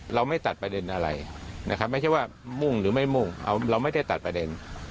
เราไม่ตัดประเด็นอะไรนะครับไม่ใช่ว่ามุ่งหรือไม่มุ่งเราไม่ได้ตัดประเด็น